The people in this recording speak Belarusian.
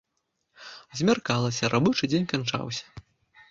Змяркалася, рабочы дзень канчаўся.